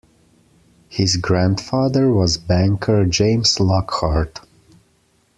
His grandfather was banker James Lockhart.